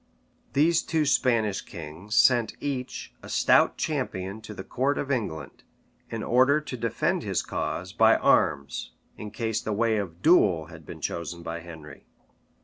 These two Spanish kings sent each a stout champion to the court of England, in order to defend his cause by arms, in case the way of duel had been chosen by Henry.